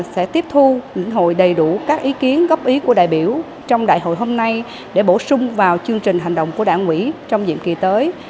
sẽ tiếp thu những hội đầy đủ các ý kiến góp ý của đại biểu trong đại hội hôm nay để bổ sung vào chương trình hành động của đảng quỹ trong nhiệm kỳ tới